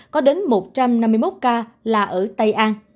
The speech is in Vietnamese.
có đến một trăm năm mươi một ca là ở tây an